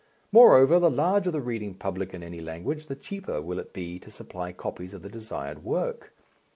Moreover, the larger the reading public in any language the cheaper will it be to supply copies of the desired work.